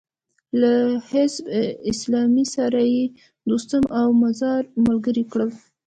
له حزب اسلامي سره يې دوستم او مزاري ملګري کړل.